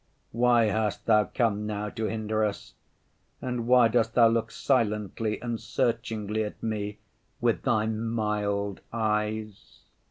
Why hast Thou come now to hinder us? And why dost Thou look silently and searchingly at me with Thy mild eyes?